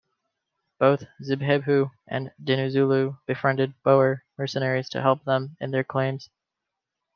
Both Zibhebhu and Dinuzulu befriended Boer mercenaries to help them in their claims.